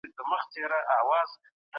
لوړه عرضه د تولید د زیاتوالي پایله ده.